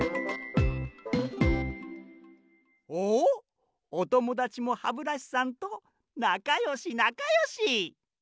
おっおともだちもハブラシさんとなかよしなかよし！